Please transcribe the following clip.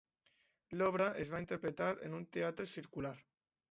L'obra es va interpretar en un teatre circular.